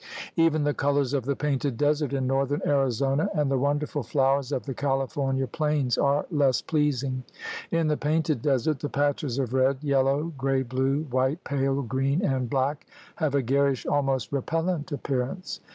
Even the colors of the Painted Desert in northern Arizona and the wonderful flowers of the California plains are less pleasing. In the Painted Desert the patches of red, yellow, gray blue, white, pale green, and black have a garish, almost repellent appearance.